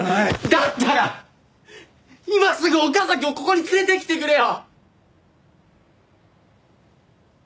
だったら今すぐ岡崎をここに連れてきてくれよ！